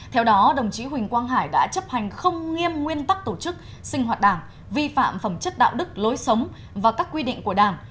theo đó đồng chí huỳnh quang hải đã chấp hành không nghiêm nguyên tắc tổ chức sinh hoạt đảng vi phạm phẩm chất đạo đức lối sống và các quy định của đảng